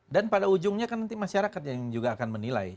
dan pada ujungnya kan nanti masyarakat yang juga akan menilai